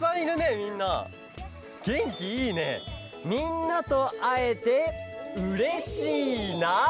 みんなとあえてうれしいな！